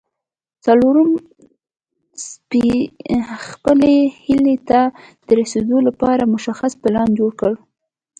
څلورم خپلې هيلې ته د رسېدو لپاره مشخص پلان جوړ کړئ.